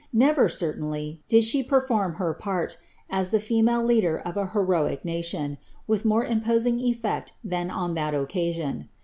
Never, certainly, did she perform her part, as the female leader of an heroic nation, with more imposing eSect tliaa on that occasion.